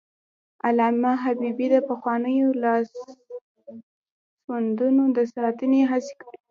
علامه حبيبي د پخوانیو لاسوندونو د ساتنې هڅې کړي.